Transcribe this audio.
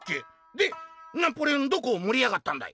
「でナポレオンどこを盛りやがったんだい？」。